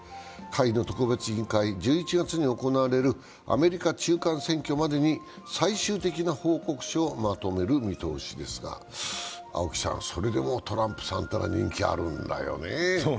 下院の特別委員会、１１月に行われるアメリカ中間選挙までに最終的な報告書をまとめる見通しですが、青木さん、それでもトランプさんというのは人気あるんだよね。